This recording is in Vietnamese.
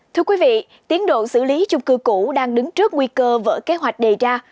thưa quý vị tiến độ xử lý chung cư cũ đang đứng trước nguy cơ vỡ kế hoạch đề ra